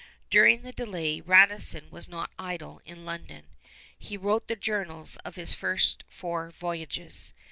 During the delay Radisson was not idle in London. He wrote the journals of his first four voyages.